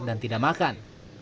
dan tidak makan